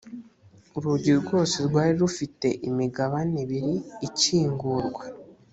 urugi rwose rwari rufite imigabane ibiri ikingurwa